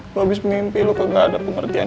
lu abis mimpi lu kagak ada pengertian